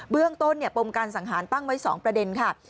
เรื่องต้นปมการสังหารตั้งไว้๒ประเด็นค่ะ